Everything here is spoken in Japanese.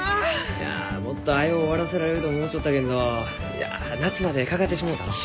いやもっと早う終わらせられると思うちょったけんどいや夏までかかってしもうたのう。